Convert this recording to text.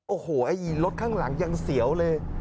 โอ้โหไอ้รถข้างหลังยังเสียวเลย